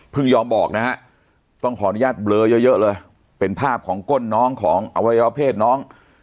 ยอมบอกนะฮะต้องขออนุญาตเบลอเยอะเลยเป็นภาพของก้นน้องของอวัยวะเพศน้อง